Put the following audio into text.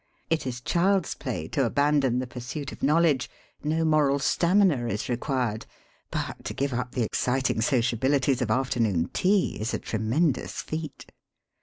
It is child's play to abandon the pursuit of knowledge; no moral stamina is re quired; but to give up the exciting Goeiabilities of afternoon tea is a tremendous feat.